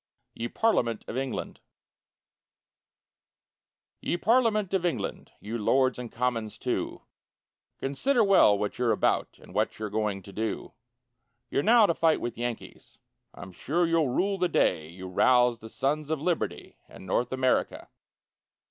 YE PARLIAMENT OF ENGLAND Ye parliament of England, You lords and commons, too, Consider well what you're about, And what you're going to do; You're now to fight with Yankees, I'm sure you'll rue the day You roused the sons of liberty, In North America.